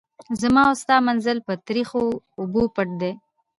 زما او ستا منزل په تریخو اوبو پټ دی.